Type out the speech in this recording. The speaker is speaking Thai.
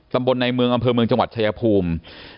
ตำบลในเมืองอำเภอเมืองจังหวัดชายภูมิ